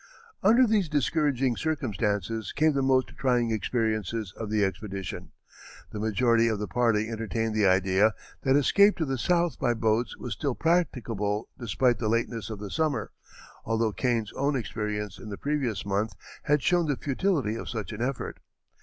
Under these discouraging circumstances came the most trying experiences of the expedition. The majority of the party entertained the idea that escape to the south by boats was still practicable despite the lateness of the summer, although Kane's own experience in the previous month had shown the futility of such an effort.